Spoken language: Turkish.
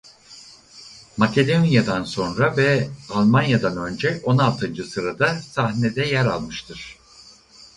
Makedonya'dan sonra ve Almanya'dan önce on altıncı sırada sahnede yer almıştır.